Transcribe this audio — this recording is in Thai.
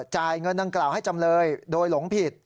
จ่ายเงินดังกล่าวให้จำเลยโดยหลงผิด